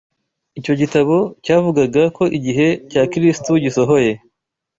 icyo gitabo cyavugaga ko igihe cya kristo gisohoye